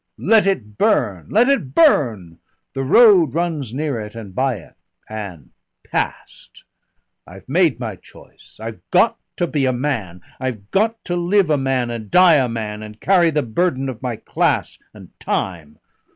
Let it burn! Let it burn! The road runs near it and by it and past.... I've made my choice. I've got to be a man, I've got to live a man and die a man and carry the burden of my class and time.